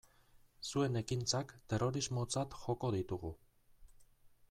Zuen ekintzak terrorismotzat joko ditugu.